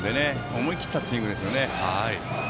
思い切ったスイングですよね。